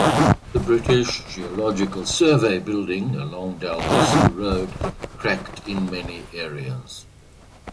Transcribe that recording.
The British Geological Survey building along Dalhousie Road cracked in many areas.